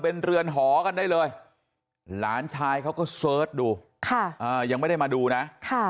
เป็นเรือนหอกันได้เลยหลานชายเขาก็เสิร์ชดูยังไม่ได้มาดูนะ